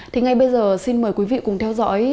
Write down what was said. thì ngay bây giờ xin mời quý vị cùng theo dõi